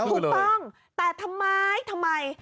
ถูกต้องแต่ทำไมทำไม